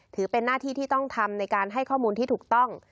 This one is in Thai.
ถือเป็นหน้าที่ที่ต้องทำในการให้ข้อมูลที่ถูกต้อง